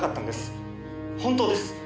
「本当です。